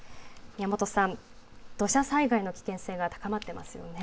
宮本さん、土砂災害の危険性が高まっていますよね。